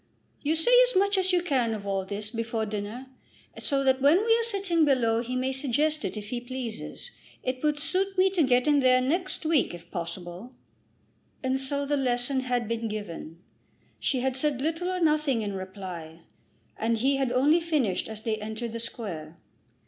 "You say as much as you can of all this before dinner, so that when we are sitting below he may suggest it if he pleases. It would suit me to get in there next week if possible." And so the lesson had been given. She had said little or nothing in reply, and he had only finished as they entered the Square.